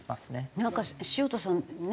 なんか潮田さんね